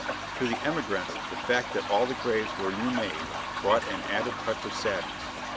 To the emigrants the fact that all the graves were new made brought an added touch of sadness.